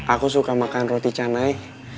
aku suka makan roti canai